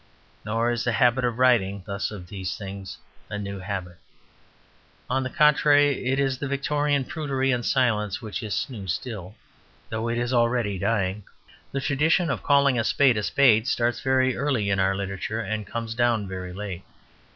Nor is the habit of writing thus of these things a new habit. On the contrary, it is the Victorian prudery and silence which is new still, though it is already dying. The tradition of calling a spade a spade starts very early in our literature and comes down very late.